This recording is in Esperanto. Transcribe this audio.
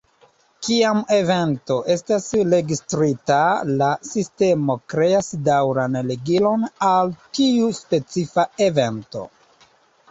Kiam evento estas registrita, la sistemo kreas daŭran ligilon al tiu specifa evento.